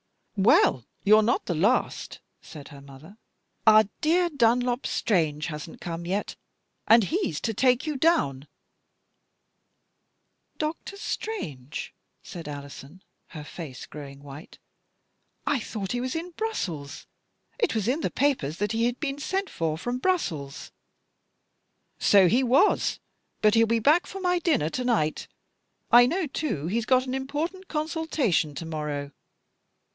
"Well, you're not the last," said her mother. "Our dear Dunlop Strange hasn't come yet, and he's to take you down." "Dr. Strange?" said Alison. Her face DUNLOP 8TRANQE MAKES A MISTAKE. 243 had become quite white. " I thought he was in Brussels? It was in all the papers that he had been sent for from Laeken." " So he was. But he'll be back for my dinner to night. I know, too, he's got an important consultation to morrow.